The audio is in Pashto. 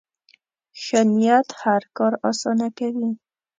ښه نیت هر کار اسانه کوي.